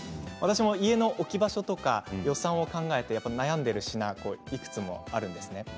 私も家の置き場所とか予算を考えて悩んでいる品いくつもあるんです。